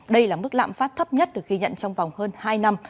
đây là mức lạm phát thấp nhất được ghi nhận trong vòng hơn hai năm